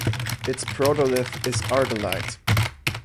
Its protolith is argillite.